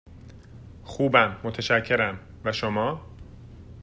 خوبم، متشکرم، و شما؟